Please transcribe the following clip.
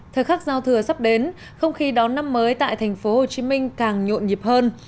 thời khắc giao thừa sắp đến không khi đón năm mới tại thành phố hồ chí minh càng nhộn nhịp hơn